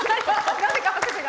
なぜか拍手が。